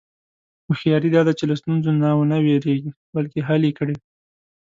هوښیاري دا ده چې له ستونزو نه و نه وېرېږې، بلکې حل یې کړې.